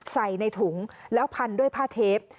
ใส่ในถุงแล้วพันด้วยผ้าเทป